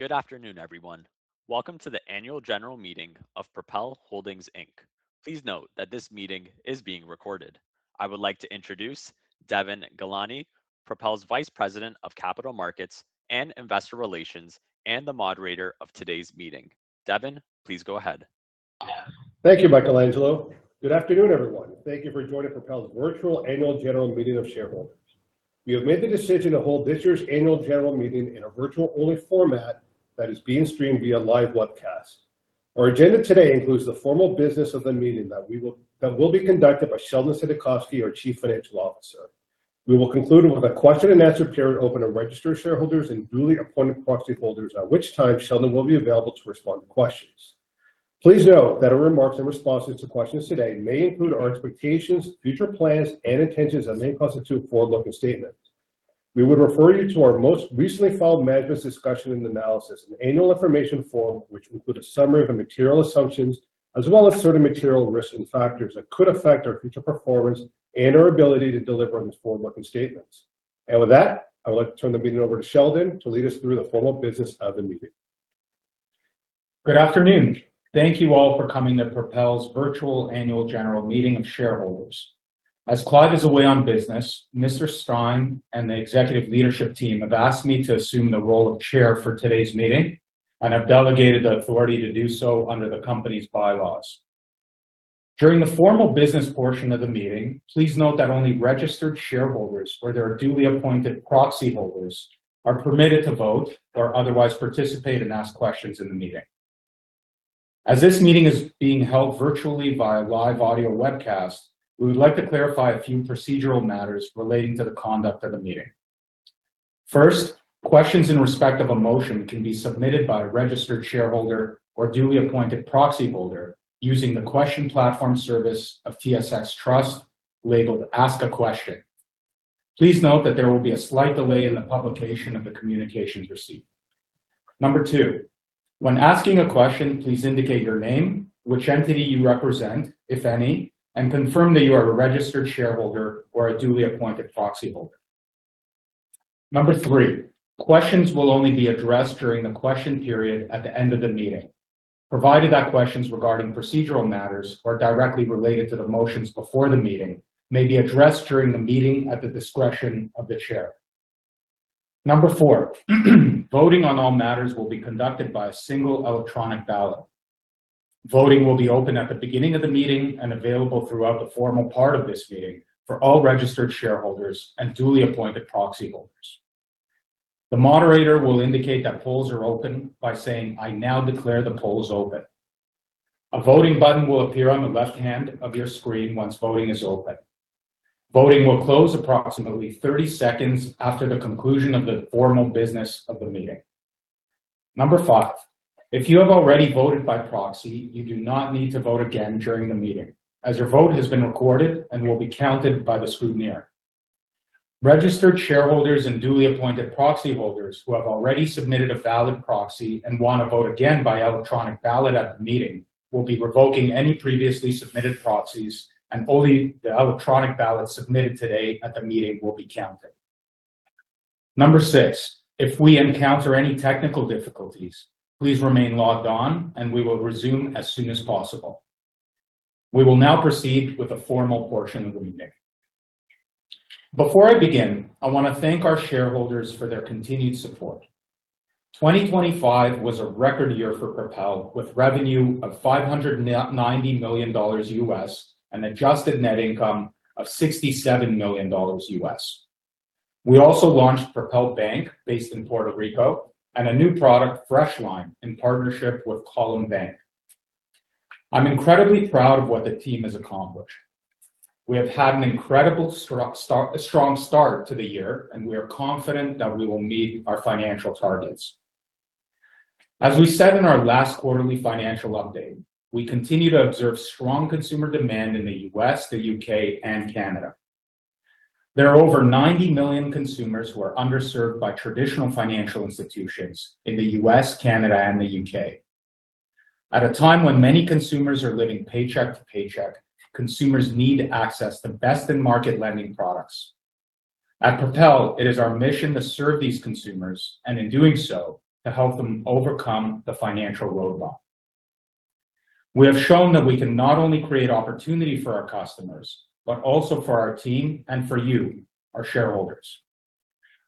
Good afternoon, everyone. Welcome to the annual general meeting of Propel Holdings Inc. Please note that this meeting is being recorded. I would like to introduce Devon Ghelani, Propel's Vice President of Capital Markets and Investor Relations, and the moderator of today's meeting. Devon, please go ahead. Thank you, Michelangelo. Good afternoon, everyone. Thank you for joining Propel Holdings' virtual annual general meeting of shareholders. We have made the decision to hold this year's annual general meeting in a virtual-only format that is being streamed via live webcast. Our agenda today includes the formal business of the meeting that will be conducted by Sheldon Saidakovsky, our Chief Financial Officer. We will conclude with a question and answer period open to registered shareholders and duly appointed proxy holders, at which time Sheldon will be available to respond to questions. Please note that our remarks in responses to questions today may include our expectations, future plans, and intentions that may constitute forward-looking statements. We would refer you to our most recently filed management discussion and analysis and annual information form, which include a summary of the material assumptions, as well as certain material risks and factors that could affect our future performance and our ability to deliver on these forward-looking statements. With that, I would like to turn the meeting over to Sheldon to lead us through the formal business of the meeting. Good afternoon. Thank you all for coming to Propel's virtual annual general meeting of shareholders. As Clive is away on business, Mr. Stein and the executive leadership team have asked me to assume the role of chair for today's meeting and have delegated the authority to do so under the company's bylaws. During the formal business portion of the meeting, please note that only registered shareholders or their duly appointed proxy holders are permitted to vote or otherwise participate and ask questions in the meeting. As this meeting is being held virtually by live audio webcast, we would like to clarify a few procedural matters relating to the conduct of the meeting. First, questions in respect of a motion can be submitted by a registered shareholder or duly appointed proxy holder using the question platform service of TSX Trust, labeled Ask a Question. Please note that there will be a slight delay in the publication of the communications received. Number two, when asking a question, please indicate your name, which entity you represent, if any, and confirm that you are a registered shareholder or a duly appointed proxy holder. Number three, questions will only be addressed during the question period at the end of the meeting, provided that questions regarding procedural matters or directly related to the motions before the meeting may be addressed during the meeting at the discretion of the chair. Number four, voting on all matters will be conducted by a single electronic ballot. Voting will be open at the beginning of the meeting and available throughout the formal part of this meeting for all registered shareholders and duly appointed proxy holders. The moderator will indicate that polls are open by saying, "I now declare the polls open." A voting button will appear on the left hand of your screen once voting is open. Voting will close approximately 30 seconds after the conclusion of the formal business of the meeting. Number five, if you have already voted by proxy, you do not need to vote again during the meeting, as your vote has been recorded and will be counted by the scrutineer. Registered shareholders and duly appointed proxy holders who have already submitted a valid proxy and want to vote again by electronic ballot at the meeting will be revoking any previously submitted proxies, and only the electronic ballot submitted today at the meeting will be counted. Number six, if we encounter any technical difficulties, please remain logged on and we will resume as soon as possible. We will now proceed with the formal portion of the meeting. Before I begin, I want to thank our shareholders for their continued support. 2025 was a record year for Propel, with revenue of $590 million and adjusted net income of $67 million. We also launched Propel Bank, based in Puerto Rico, and a new product, FreshLine, in partnership with Column Bank. I'm incredibly proud of what the team has accomplished. We have had an incredible strong start to the year, and we are confident that we will meet our financial targets. As we said in our last quarterly financial update, we continue to observe strong consumer demand in the U.S., the U.K., and Canada. There are over 90 million consumers who are underserved by traditional financial institutions in the U.S., Canada, and the U.K. At a time when many consumers are living paycheck to paycheck, consumers need access to best-in-market lending products. At Propel Holdings, it is our mission to serve these consumers, and in doing so, to help them overcome the financial roadblock. We have shown that we can not only create opportunity for our customers, but also for our team and for you, our shareholders.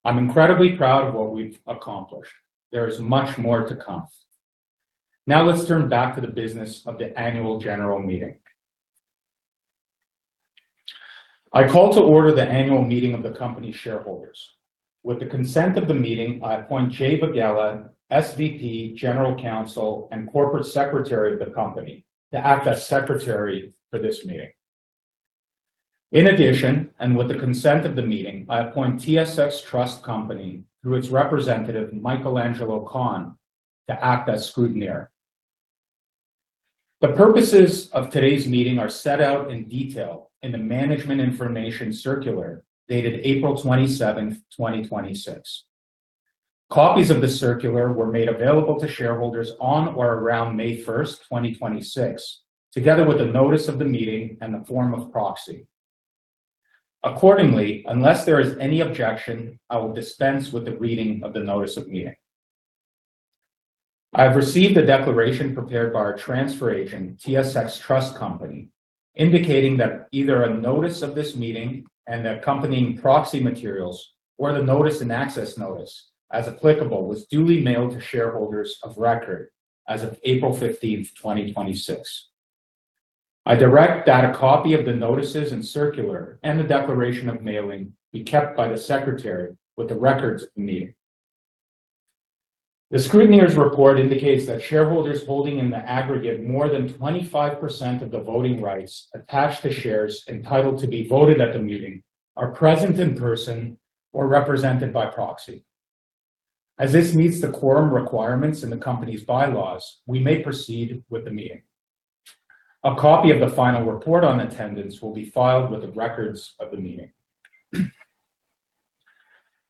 I'm incredibly proud of what we've accomplished. There is much more to come. Let's turn back to the business of the annual general meeting. I call to order the annual meeting of the company shareholders. With the consent of the meeting, I appoint Jay Vaghela, SVP General Counsel, and Corporate Secretary of the company to act as Secretary for this meeting. With the consent of the meeting, I appoint TSX Trust Company through its representative, Michelangelo Khan, to act as scrutineer. The purposes of today's meeting are set out in detail in the management information circular dated April 27, 2026. Copies of the circular were made available to shareholders on or around May 1, 2026, together with the notice of the meeting and the form of proxy. Accordingly, unless there is any objection, I will dispense with the reading of the notice of meeting. I have received a declaration prepared by our transfer agent, TSX Trust Company, indicating that either a notice of this meeting and accompanying proxy materials or the notice and access notice, as applicable, was duly mailed to shareholders of record as of April 15, 2026. I direct that a copy of the notices and circular and the declaration of mailing be kept by the Secretary with the records of the meeting. The scrutineer's report indicates that shareholders holding in the aggregate more than 25% of the voting rights attached to shares entitled to be voted at the meeting are present in person or represented by proxy. As this meets the quorum requirements in the company's bylaws, we may proceed with the meeting. A copy of the final report on attendance will be filed with the records of the meeting.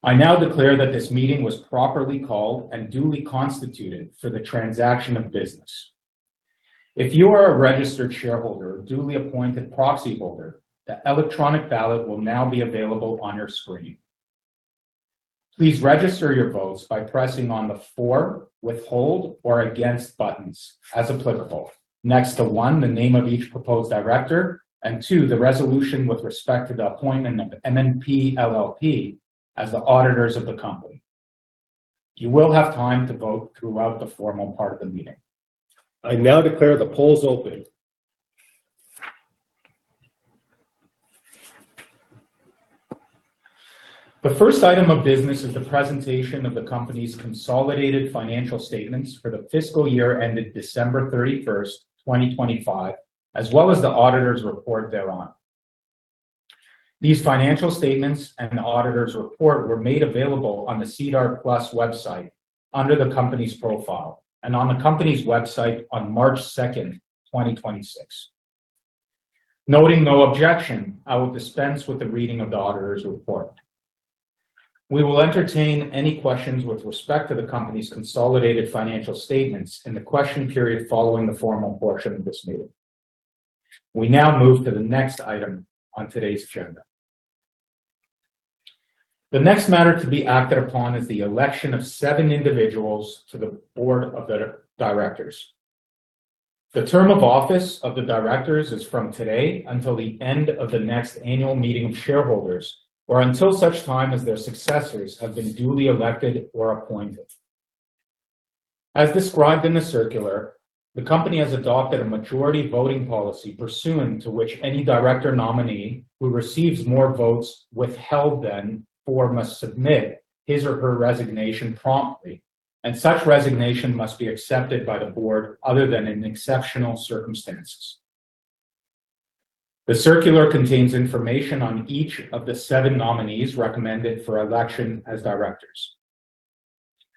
I now declare that this meeting was properly called and duly constituted for the transaction of business. If you are a registered shareholder or duly appointed proxy holder, the electronic ballot will now be available on your screen. Please register your votes by pressing on the for, withhold, or against buttons, as applicable. Next to one, the name of each proposed director, and two, the resolution with respect to the appointment of MNP LLP as the auditors of the company. You will have time to vote throughout the formal part of the meeting. I now declare the polls open. The first item of business is the presentation of the company's consolidated financial statements for the fiscal year ended December 31st, 2025, as well as the auditor's report thereon. These financial statements and the auditor's report were made available on the SEDAR+ website under the company's profile and on the company's website on March 2nd, 2026. Noting no objection, I will dispense with the reading of the auditor's report. We will entertain any questions with respect to the company's consolidated financial statements in the question period following the formal portion of this meeting. We now move to the next item on today's agenda. The next matter to be acted upon is the election of seven individuals to the board of the directors. The term of office of the directors is from today until the end of the next annual meeting of shareholders or until such time as their successors have been duly elected or appointed. As described in the circular, the company has adopted a majority voting policy pursuant to which any director nominee who receives more votes withheld than for must submit his or her resignation promptly, and such resignation must be accepted by the board other than in exceptional circumstances. The circular contains information on each of the seven nominees recommended for election as directors.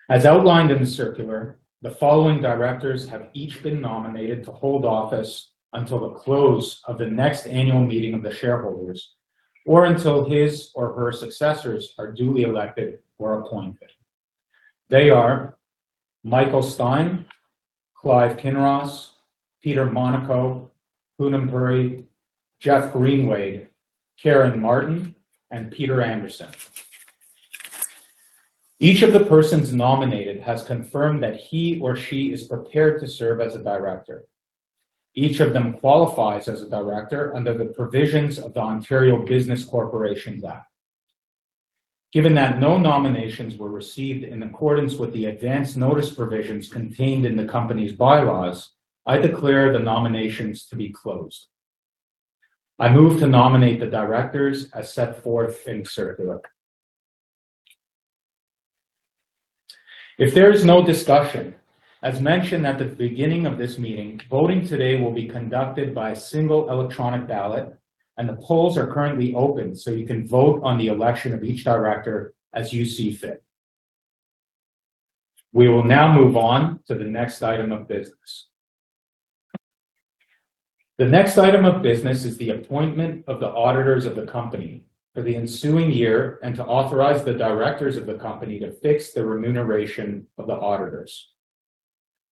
As outlined in the circular, the following directors have each been nominated to hold office until the close of the next annual meeting of the shareholders or until his or her successors are duly elected or appointed. They are Michael Stein, Clive Kinross, Peter Monaco, Poonam Puri, Geoff Greenwade, Karen Martin, and Peter Anderson. Each of the persons nominated has confirmed that he or she is prepared to serve as a director. Each of them qualifies as a director under the provisions of the Ontario Business Corporations Act. Given that no nominations were received in accordance with the advance notice provisions contained in the company's bylaws, I declare the nominations to be closed. I move to nominate the directors as set forth in circular. If there is no discussion, as mentioned at the beginning of this meeting, voting today will be conducted by single electronic ballot. The polls are currently open, so you can vote on the election of each director as you see fit. We will now move on to the next item of business. The next item of business is the appointment of the auditors of the company for the ensuing year and to authorize the directors of the company to fix the remuneration of the auditors.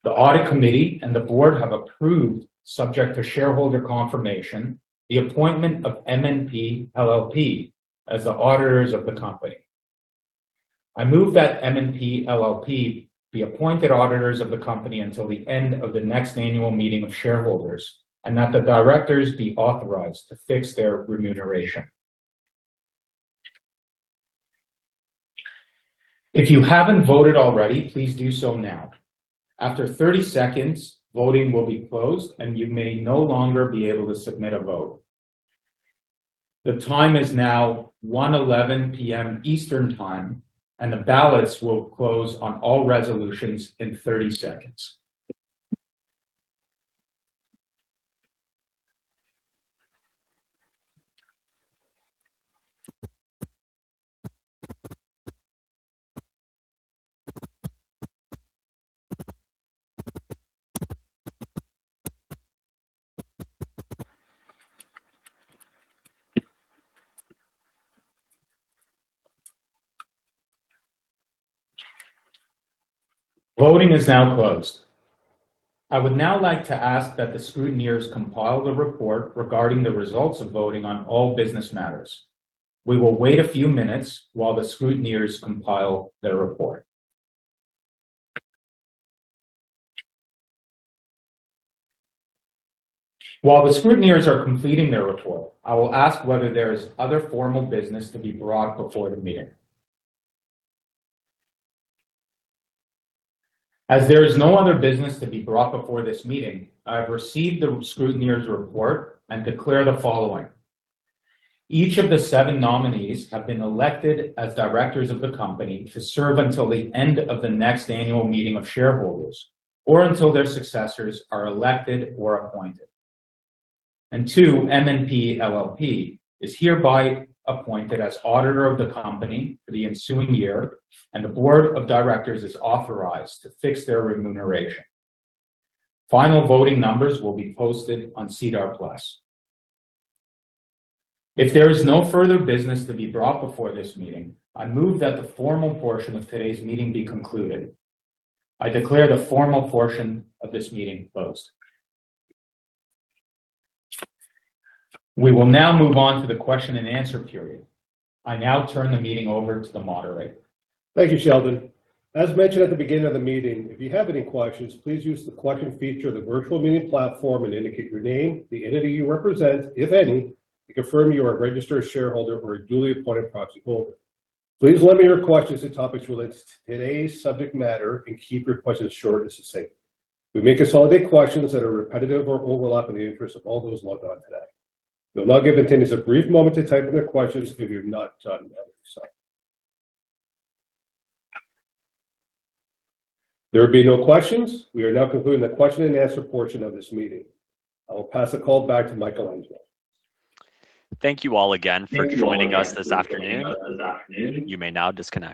The audit committee and the board have approved, subject to shareholder confirmation, the appointment of MNP LLP as the auditors of the company. I move that MNP LLP be appointed auditors of the company until the end of the next annual meeting of shareholders and that the directors be authorized to fix their remuneration. If you haven't voted already, please do so now. After 30 seconds, voting will be closed, and you may no longer be able to submit a vote. The time is now 1:11 P.M. Eastern Time, and the ballots will close on all resolutions in 30 seconds. Voting is now closed. I would now like to ask that the scrutineers compile the report regarding the results of voting on all business matters. We will wait a few minutes while the scrutineers compile their report. While the scrutineers are completing their report, I will ask whether there is other formal business to be brought before the meeting. As there is no other business to be brought before this meeting, I've received the scrutineers' report and declare the following. Each of the seven nominees have been elected as directors of the company to serve until the end of the next annual meeting of shareholders, or until their successors are elected or appointed. Two, MNP LLP is hereby appointed as auditor of the company for the ensuing year, and the board of directors is authorized to fix their remuneration. Final voting numbers will be posted on SEDAR+. If there is no further business to be brought before this meeting, I move that the formal portion of today's meeting be concluded. I declare the formal portion of this meeting closed. We will now move on to the question and answer period. I now turn the meeting over to the moderator. Thank you, Sheldon. As mentioned at the beginning of the meeting, if you have any questions, please use the question feature of the virtual meeting platform and indicate your name, the entity you represent, if any, and confirm you are a registered shareholder or a duly appointed proxy holder. Please limit your questions to topics related to today's subject matter and keep your questions short and succinct. We may consolidate questions that are repetitive or overlap in the interest of all those logged on today. We will now give attendees a brief moment to type in their questions if you've not done that already so. If there will be no questions, we are now concluding the question and answer portion of this meeting. I will pass the call back to Michelangelo. Thank you all again for joining us this afternoon. You may now disconnect.